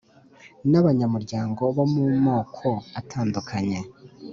n'abanyamuryango bo mu moko atandukanye.